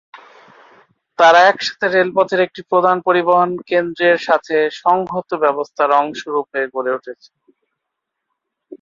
তারা একসাথে রেলপথের একটি প্রধান পরিবহন কেন্দ্রর সাথে সংহত ব্যবস্থার অংশ রূপে গড়ে উঠেছে।